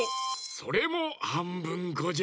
それもはんぶんこじゃ。